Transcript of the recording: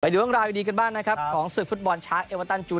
บริษัทไทยเบเวอร์เรทจำกัดมหาชนผู้ผลิตเครื่องดื่มตราช้าง